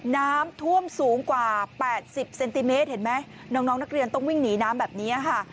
น้ำท่วมสูงกว่า๘๐เซนติเมตรเห็นไหมน้องนักเรียนต้องวิ่งหนีน้ำแบบนี้ค่ะ